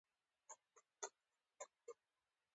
دوي به عربي او فارسي الفاظ د اجمېر